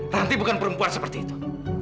nanti bukan perempuan seperti itu